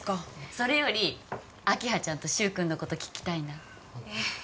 それより明葉ちゃんと柊君のこと聞きたいなえっ